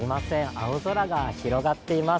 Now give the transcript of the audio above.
青空が広がっています。